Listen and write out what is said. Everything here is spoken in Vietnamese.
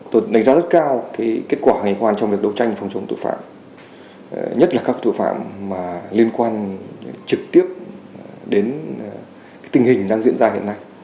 tôi đánh giá rất cao cái kết quả của ngành công an trong việc đấu tranh phòng chống tội phạm nhất là các tội phạm mà liên quan trực tiếp đến cái tình hình đang diễn ra hiện nay